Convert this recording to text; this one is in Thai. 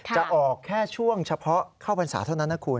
จะออกแค่ช่วงเฉพาะเข้าพรรษาเท่านั้นนะคุณ